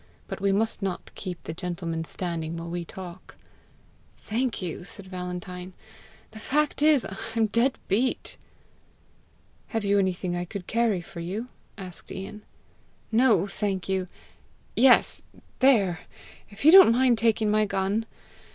"But we must not keep the gentleman standing while we talk!" "Thank you!" said Valentine. "The fact is, I'm dead beat." "Have you anything I could carry for you?" asked Ian. "No, I thank you. Yes; there! if you don't mind taking my gun?